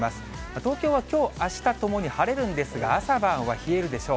東京はきょう、あしたともに晴れるんですが、朝晩は冷えるでしょう。